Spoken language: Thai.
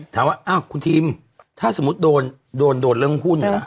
ถามว่าคุณทิมถ้าสมมุติโดนเรื่องหุ้น